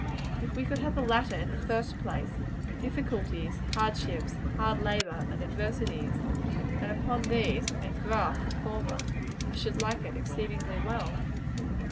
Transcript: If we could have the latter in the first place difficulties, hard ships, hard labor, and adversity and upon these engraft the former, I should like it exceedingly well.